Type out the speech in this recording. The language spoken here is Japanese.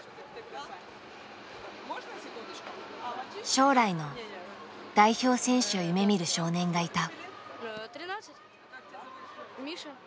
将来の代表選手を夢みる少年がいた。